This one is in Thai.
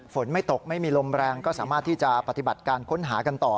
ไม่ตกไม่มีลมแรงก็สามารถที่จะปฏิบัติการค้นหากันต่อ